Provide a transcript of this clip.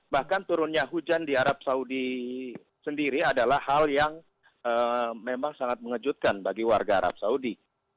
bahkan turunnya hujan di arab saudi sendiri adalah hal yang memang sangat mengejutkan bagi warga arab saudi